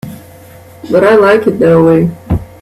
But I like it that way.